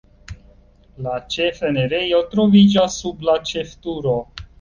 La ĉefenirejo troviĝas sub la ĉefturo.